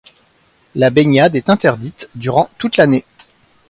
La baignade est interdite durant toute l'année.